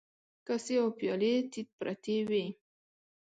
کاسې او پيالې تيت پرتې وې.